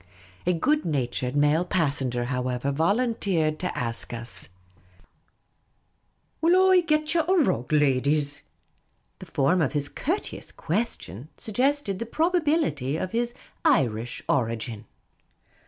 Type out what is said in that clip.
A good natured male passenger, however, volunteered to ask us, " Will I get ye a rug, ladies?" The form of his courteous question sug gested the probability of his Irish origin.